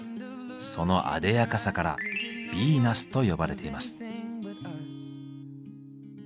そのあでやかさから「ヴィーナス」と呼ばれています。